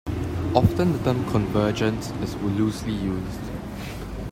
Often the term "convergence" is loosely used.